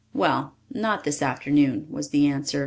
"Well, not this afternoon," was the answer.